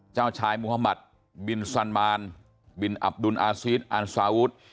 เจ้าชายมุธมัติบินสันมานบินอับดุลอาซีสอันซาวุธ